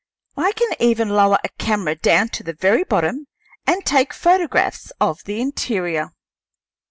I can even lower a camera down to the very bottom and take photographs of the interior."